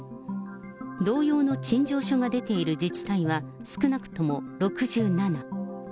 同様の陳情書が出ている自治体は、少なくとも６７。